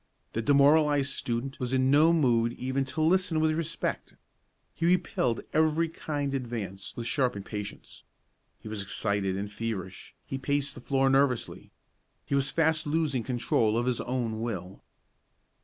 The demoralized student was in no mood even to listen with respect. He repelled every kind advance with sharp impatience. He was excited and feverish; he paced the floor nervously; he was fast losing control of his own will.